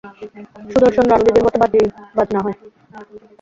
সুদর্শন, রানুর দিদির মতো বাজিবাজনা হয়।